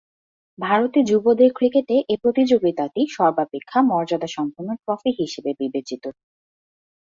ভারতে যুবদের ক্রিকেটে এ প্রতিযোগিতাটি সর্বাপেক্ষা মর্যাদা সম্পন্ন ট্রফি হিসেবে বিবেচিত।